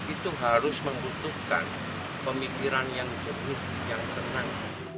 itu harus membutuhkan pemikiran yang jenuh yang tenang